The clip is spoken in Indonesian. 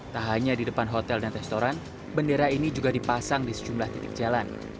tak hanya di depan hotel dan restoran bendera ini juga dipasang di sejumlah titik jalan